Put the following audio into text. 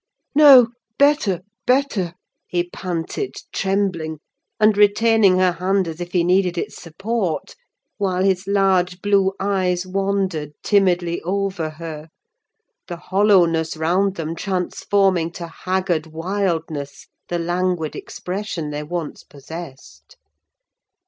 "No—better—better!" he panted, trembling, and retaining her hand as if he needed its support, while his large blue eyes wandered timidly over her; the hollowness round them transforming to haggard wildness the languid expression they once possessed.